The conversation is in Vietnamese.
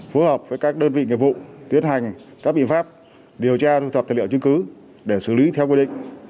phối hợp với các đơn vị nghiệp vụ tiến hành các biện pháp điều tra thu thập tài liệu chứng cứ để xử lý theo quy định